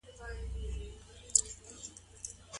ایا اسلام زوجينو ته په نېک ژوند کولو امر کړی دی؟